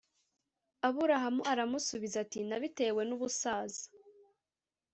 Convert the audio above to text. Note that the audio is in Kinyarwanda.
Aburahamu aramusubiza ati nabitewe n’ubusaza